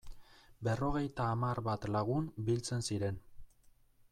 Berrogeita hamar bat lagun biltzen ziren.